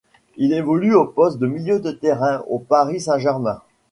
Il évolue au poste de milieu de terrain au Paris Saint-Germain.